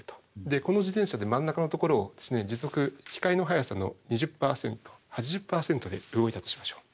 この自転車で真ん中のところを時速光の速さの２０％８０％で動いたとしましょう。